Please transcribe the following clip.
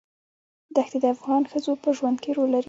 ښتې د افغان ښځو په ژوند کې رول لري.